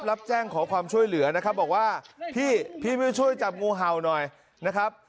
รับแจ้งขอความช่วยเหลือนะครับบอกว่าพี่พี่ไม่ช่วยจับงูเห่าหน่อยนะครับ